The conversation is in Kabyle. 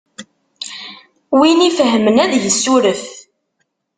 Win ifhmen ad yessuref.